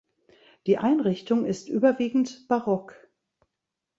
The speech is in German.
Die Einrichtung ist überwiegend barock.